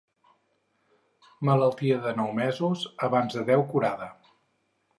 Malaltia de nou mesos, abans de deu curada.